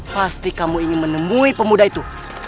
pasti kamu ingin menemui pemuda itu